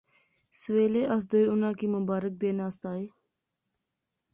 سویلے اس دوئے اُناں کی مبارک دینے آسطے گیساں